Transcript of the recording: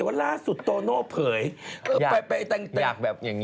เปร่าว่าเขาข้างลูกตัวเอง